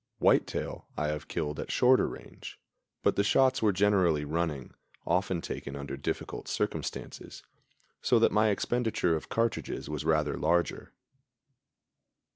Whitetail I have killed at shorter range; but the shots were generally running, often taken under difficult circumstances, so that my expenditure of cartridges was rather larger.